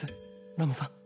ラムさん。